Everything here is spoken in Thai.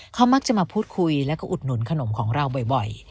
เขามักจะมาพูดคุยแล้วก็อุดหนุนขนมของเราบ่อย